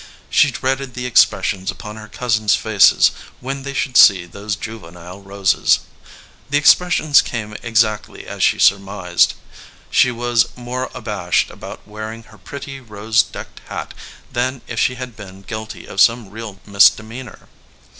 She dreaded the expressions upon her cousins faces when they should see those juvenile roses. The expressions came exactly as she had surmised. She was more abashed about wearing her pretty rose decked hat than if she had been guilty of some real misde meanor.